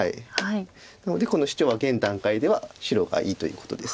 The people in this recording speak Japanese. なのでこのシチョウは現段階では白がいいということです。